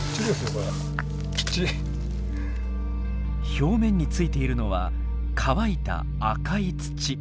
表面についているのは乾いた赤い土。